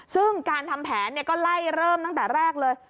ซึ่งการทำแผนก็ไล่เริ่มตั้งแต่แรกเลย